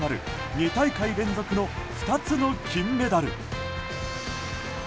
２大会連続の２つの金メダル。